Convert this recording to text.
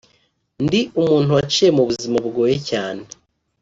ndi umuntu waciye mu buzima bugoye cyane